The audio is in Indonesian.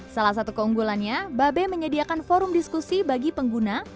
salah satu keunggulannya babe menyediakan forum diskusi bagi pengguna